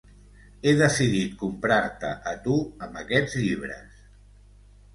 He decidit comprar-te a tu, amb aquests llibres.